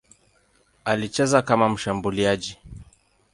Alicheza kama mshambuliaji.